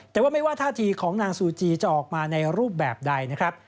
แต่ว่าไม่ว่าท่าทีของนางซูจีจะออกมาในรูปแบบใดนะครับ